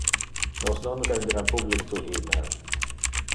Nos non rendera public tu email.